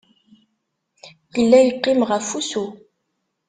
Yella yeqqim ɣef usu.